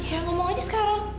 ya ngomong aja sekarang